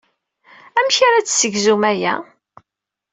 Amek ara d-tessegzum aya?